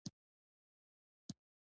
انجنیر شېرشاه رشاد او نورو ویناوې وکړې.